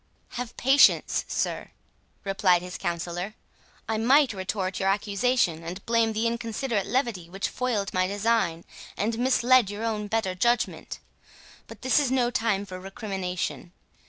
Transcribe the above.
"Have patience, sir," replied his counsellor; "I might retort your accusation, and blame the inconsiderate levity which foiled my design, and misled your own better judgment. But this is no time for recrimination.